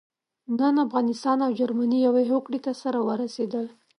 نن افغانستان او جرمني يوې هوکړې ته سره ورسېدل.